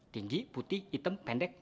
tinggi putih hitam pendek